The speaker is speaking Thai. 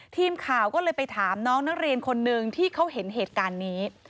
ทีมข่าวก็เลยไปถามน้องนักเรียนคนหนึ่งที่เขาเห็นเหตุการณ์นี้